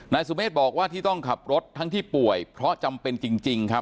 นายสุเมฆบอกว่าที่ต้องขับรถทั้งที่ป่วยเพราะจำเป็นจริงครับ